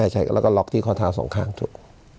ใช่แล้วก็ล็อกที่ข้อเท้าสองข้างจุด